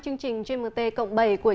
xin kính chào quý vị khán giả đang theo dõi